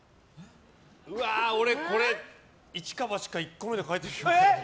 うわー、俺これ、一か八か１個目で書いてみようかな。